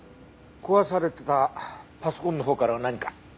壊されてたパソコンのほうからは何か？